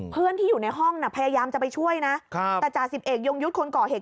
เพื่อนที่อยู่ในห้องน่ะพยายามจะไปช่วยนะแต่จ่าสิบเอกยงยุทธ์คนก่อเหตุ